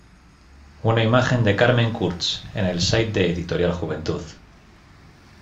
Una imagen de Carmen Kurtz, en el site de Editorial Juventud